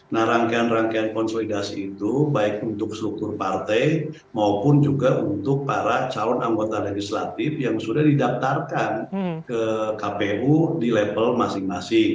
nah rangkaian rangkaian konsolidasi itu baik untuk struktur partai maupun juga untuk para calon anggota legislatif yang sudah didaftarkan ke kpu di level masing masing